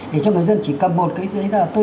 để cho người dân chỉ cầm một cái giấy tờ